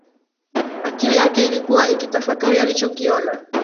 Akili yake ilikuwa ikitafakari alichokiona